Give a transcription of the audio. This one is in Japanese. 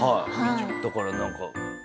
だから何か。